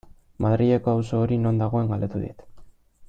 Madrileko auzo hori non dagoen galdetu dit.